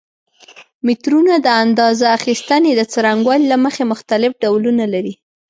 مترونه د اندازه اخیستنې د څرنګوالي له مخې مختلف ډولونه لري.